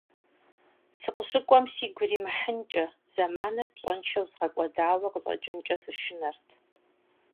Сыкъыщыкӏуэм сигу иримыхьынкӏэ, зэманыр пщӏэншэу згъэкӏуэдауэ къыщӏэкӏынкӏэ сышынэрт.